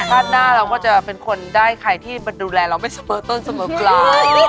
หน้าเราก็จะเป็นคนได้ใครที่ดูแลเราไม่เสมอต้นเสมอปลาย